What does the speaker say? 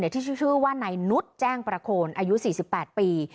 ที่ชื่อว่านายนุษย์แจ้งประโคนอายุ๔๘ปี